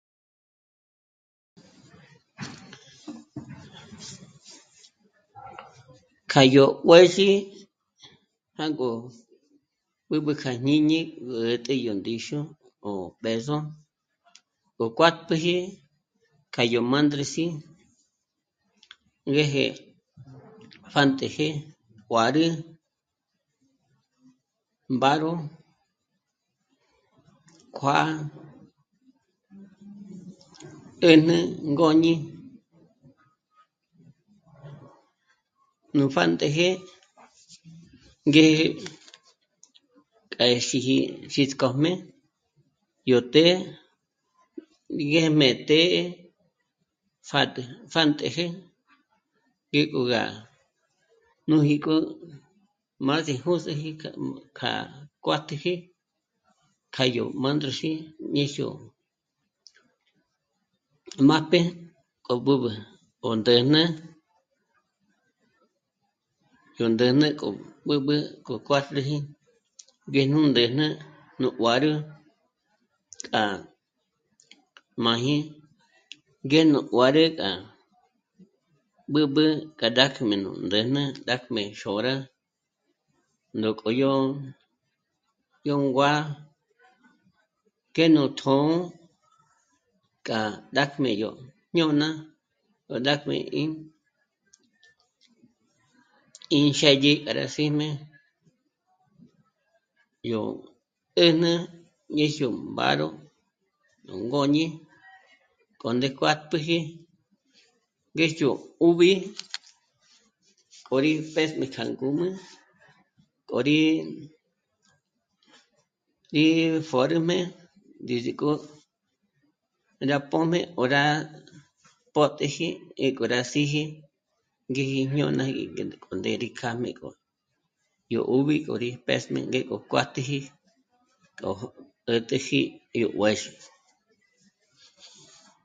K'a yó juë̌zhi jângo b'ǚb'ü kja jñíñi gú 'ä̀t'ä yó 'íxu ó b'ë̌zo gó kuát'p'üji k'a yó mândres'i ngéje pjántëjë, juârü, mbáro, kjuá'a, 'ä̂jnä, ngôñi... Nú pjántëjë ngé k'a xiji xísk'ojmé yó të́'ë, gí 'ë́jm'e të́'ë pjâd'ül, pjántëjë, ngék'o gá nújik'o má s'ijûs'üji k'a... k'a kuájt'üji í yó mândres'i ñéjyo májp'e k'o b'ǚb'ü ó ndä̂jnä, yó ndä̂jnä k'o b'ǚb'ü k'o kuájnuji ngé nú ndä̂jnä nú nguârü k'a máji, ngé nú nguârü rá b'ǚb'ü k'a rá 'àkjmu ndä̂jnä 'àkjmé xôra nú k'o yó..., yó nguà'a ngé nú tjṓ'ō k'a rájm'e yó jñôna k'o rá k'ǜ'ü ín, ín xë́dyi k'a rá xíjmé yó ndä̂jnä ñéjyo mbáro nú ngôñi k'o ndé kuátp'üji ngéjyo 'úb'i k'o rí pés'me kja ngǔm'ü k'o rí... rí pjôrüjmé ndízik'o rá póm'e o rá pö́teji í k'o rá síji ngíji jñônaji ngé ndék'o né'e rí kjâjmé k'o yó 'úb'i k'o rí pésm'e ngék'o o kuátp'üji, k'o 'ä̀t'äji yó juë̌zhi